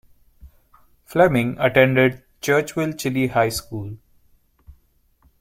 Fleming attended Churchville-Chili High School.